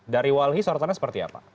dari walhi sorotannya seperti apa